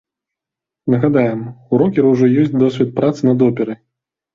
Нагадаем, у рокера ўжо ёсць досвед працы над операй.